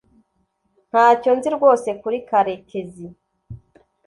Ntacyo nzi rwose kuri karekezi